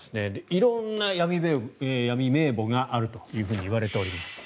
色んな闇名簿があるといわれています。